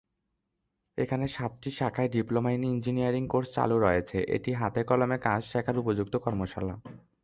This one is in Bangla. এখানে সাতটি শাখায় ডিপ্লোমা ইন ইঞ্জিনিয়ারিং কোর্স চালু রয়েছে এটি হাতে-কলমে কাজ শেখার উপযুক্ত কর্মশালা।